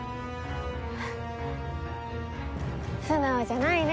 素直じゃないね。